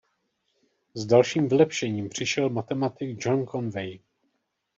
S dalším vylepšením přišel matematik John Conway.